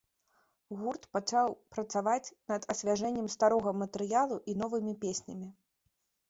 Гурт пачаў працаваць над асвяжэннем старога матэрыялу і новымі песнямі.